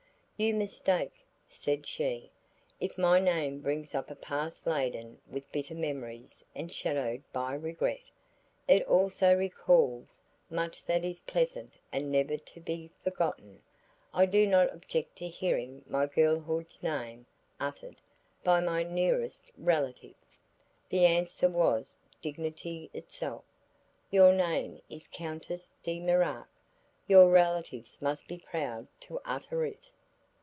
"You mistake," said she; "if my name brings up a past laden with bitter memories and shadowed by regret, it also recalls much that is pleasant and never to be forgotten. I do not object to hearing my girlhood's name uttered by my nearest relative." The answer was dignity itself. "Your name is Countess De Mirac, your relatives must be proud to utter it."